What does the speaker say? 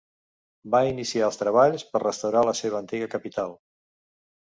Va iniciar els treballs per restaurar la seva antiga capital.